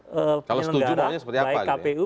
penyelenggara baik kpu